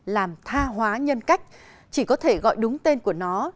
làm tha hóa nhân cách chỉ có thể gọi đúng tên của nó